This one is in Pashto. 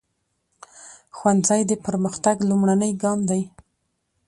ښوونځی د پرمختګ لومړنی ګام دی.